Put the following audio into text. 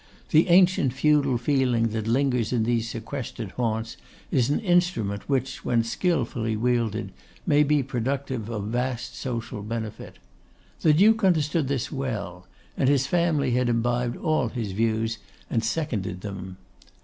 The ancient feudal feeling that lingers in these sequestered haunts is an instrument which, when skilfully wielded, may be productive of vast social benefit. The Duke understood this well; and his family had imbibed all his views, and seconded them.